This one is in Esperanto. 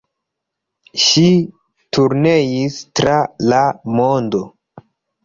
Ŝi turneis tra la mondo.